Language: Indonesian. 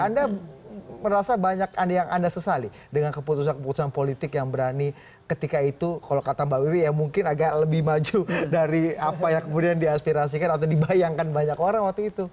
anda merasa banyak yang anda sesali dengan keputusan keputusan politik yang berani ketika itu kalau kata mbak wiwi ya mungkin agak lebih maju dari apa yang kemudian diaspirasikan atau dibayangkan banyak orang waktu itu